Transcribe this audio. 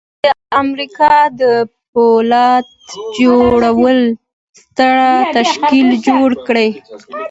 چې د امريکا د پولاد جوړولو ستر تشکيل جوړ کړي.